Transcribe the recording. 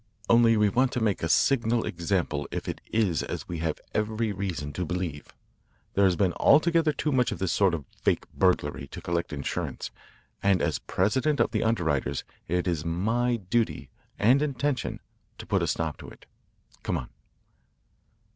Only we want to make a signal example if it is as we have every reason to believe. There has been altogether too much of this sort of fake burglary to collect insurance, and as president of the underwriters it is my duty and intention to put a stop to it. Come on."